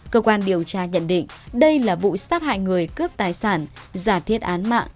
cơ quan điều tra nhận định đây là vụ sát hại người cướp tài sản giả thiết án mạng